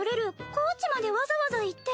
高知までわざわざ行って。